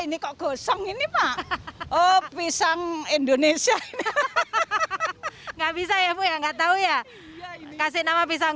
ini kok gosong ini mah oh pisang indonesia ini nggak bisa ya bu ya nggak tahu ya kasih nama pisang